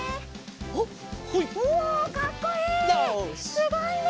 すごいね。